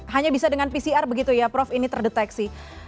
hanya bisa dengan pcr begitu ya prof ini terdeteksi